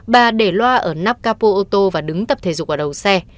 bà để loa ở nắp capo ô tô và đứng tập thể dục ở đầu xe